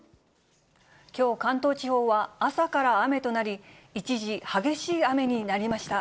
きょう、関東地方は朝から雨となり、一時、激しい雨になりました。